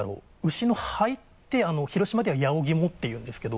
牛の肺って広島では「やおぎも」っていうんですけど。